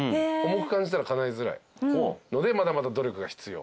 重く感じたらかないづらいのでまだまだ努力が必要」